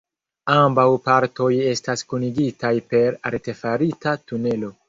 Ambaŭ partoj estas kunigitaj per artefarita tunelo.